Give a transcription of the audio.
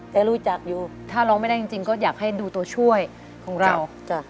แต่รู้จักอยู่ถ้าร้องไม่ได้จริงก็อยากให้ดูตัวช่วยของเรา